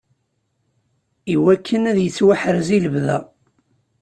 Iwakken ad yettwaḥrez i lebda.